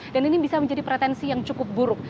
dan ini bisa menjadi pretensi yang cukup buruk